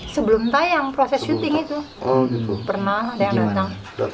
sebelum tayang proses syuting itu pernah ada yang datang